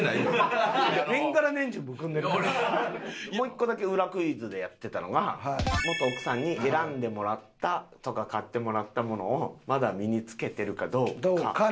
もう１個だけ裏クイズでやってたのが元奥さんに選んでもらったとか買ってもらったものをまだ身に着けてるかどうか？